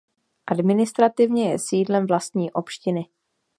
Administrativně je sídlem vlastní opštiny.